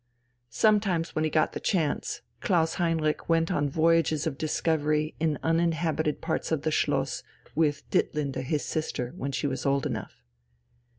Sometimes when he got the chance, Klaus Heinrich went on voyages of discovery in uninhabited parts of the schloss, with Ditlinde, his sister, when she was old enough.